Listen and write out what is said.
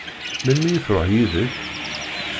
Melmi i tṛuḥ yid-k?